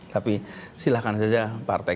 tapi silahkan saja partai